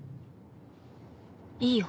いいよ